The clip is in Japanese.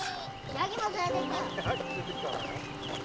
ヤギ連れてきたの？